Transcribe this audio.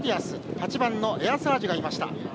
８番エアサージュがいました。